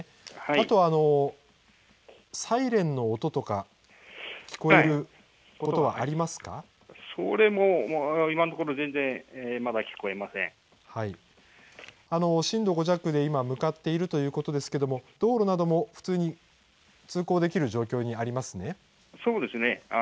あとサイレンの音とか、聞こえそれも今のところ全然まだ聞こ震度５弱で、今向かっているということですけれども、道路なども普通に通行できる状況にありまそうですね。